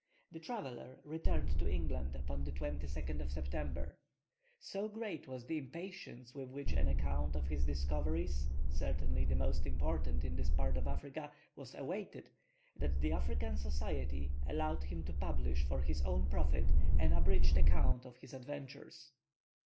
The traveller returned to England upon the 22nd of September. So great was the impatience with which an account of his discoveries, certainly the most important in this part of Africa, was awaited, that the African Society allowed him to publish for his own profit an abridged account of his adventures.